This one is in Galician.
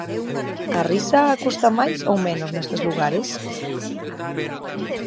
A risa custa máis ou menos nestes lugares?